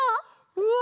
うわ！